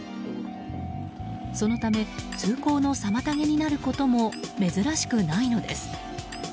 そのため通行の妨げになることも珍しくないのです。